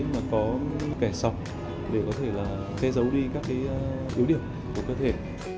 mà có kẻ sọc để có thể là che giấu đi các cái ưu điểm của cơ thể